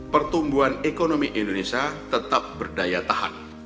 pertumbuhan ekonomi indonesia tetap berdaya tahan